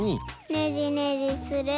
ねじねじすれば。